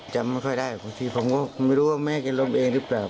จำไม่ค่อยได้บางทีผมก็ไม่รู้ว่าแม่กินลมเองหรือเปล่า